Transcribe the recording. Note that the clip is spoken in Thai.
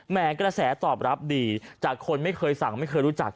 กระแสตอบรับดีจากคนไม่เคยสั่งไม่เคยรู้จัก